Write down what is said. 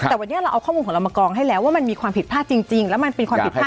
แต่วันนี้เราเอาข้อมูลของเรามากองให้แล้วว่ามันมีความผิดพลาดจริงแล้วมันเป็นความผิดพลาด